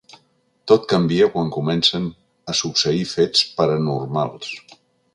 Tot canvia quan comencen a succeir fets paranormals.